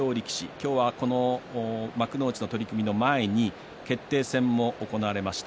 今日は幕内の取組の前に決定戦も行われました。